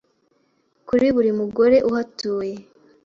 kuri buri mugore uhatuye